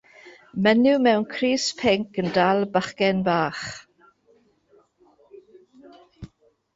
Menyw mewn crys pinc yn dal bachgen bach.